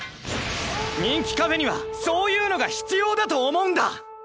人気カフェにはそういうのが必要だと思うんだ！